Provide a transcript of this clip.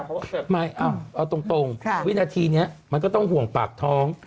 เพราะว่าไม่เอาตรงวินาทีนี้มันก็ต้องห่วงปากท้อง